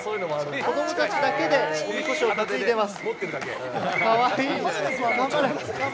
子供たちだけでおみこしを担いでいます。